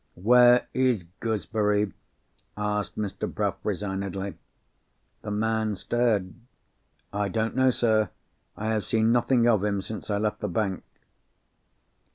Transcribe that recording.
"Where is Gooseberry?" asked Mr. Bruff resignedly. The man stared. "I don't know, sir. I have seen nothing of him since I left the bank."